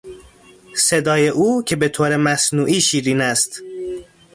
صدای او که بهطور مصنوعی شیرین است